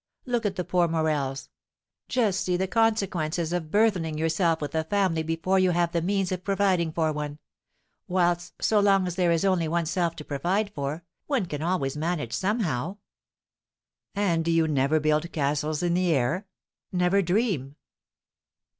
Look at the poor Morels; just see the consequences of burthening yourself with a family before you have the means of providing for one; whilst, so long as there is only oneself to provide for, one can always manage somehow." "And do you never build castles in the air? never dream?"